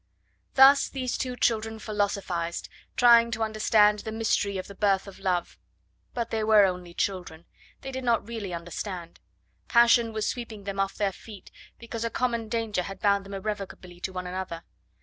Thus these two children philosophised, trying to understand the mystery of the birth of Love. But they were only children; they did not really understand. Passion was sweeping them off their feet, because a common danger had bound them irrevocably to one another.